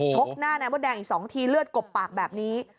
กหน้านายมดแดงอีก๒ทีเลือดกบปากแบบนี้